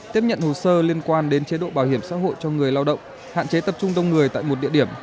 tiếp nhận hồ sơ liên quan đến chế độ bảo hiểm xã hội cho người lao động hạn chế tập trung đông người tại một địa điểm